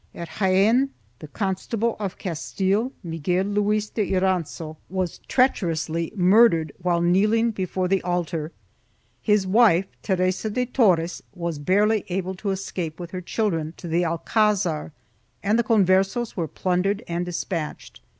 At Jaen, the Constable of Castile, Miguel Luis de Iranzo, was treacherously murdered while kneeling before the altar; his wife, Teresa de Torres, was barely able to escape,, with her children, to the alcazar, and the Converses were plun dered and dispatched.